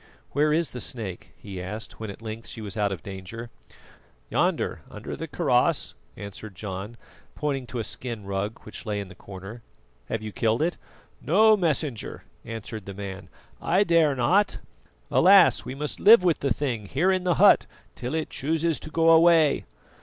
"Where is the snake?" he asked when at length she was out of danger. "Yonder, under the kaross," answered John, pointing to a skin rug which lay in the corner. "Have you killed it?" "No, Messenger," answered the man, "I dare not. Alas! we must live with the thing here in the hut till it chooses to go away."